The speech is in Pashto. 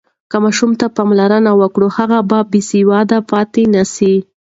که ماشوم ته پاملرنه وکړو، نو هغه به بېسواده پاتې نه سي.